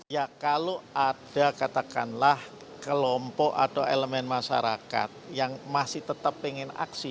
ya kalau ada katakanlah kelompok atau elemen masyarakat yang masih tetap ingin aksi